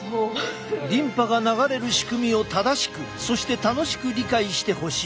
リンパが流れる仕組みを正しくそして楽しく理解してほしい。